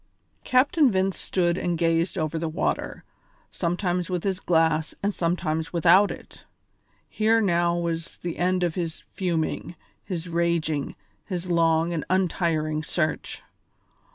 Captain Vince stood and gazed over the water, sometimes with his glass and sometimes without it. Here now was the end of his fuming, his raging, his long and untiring search.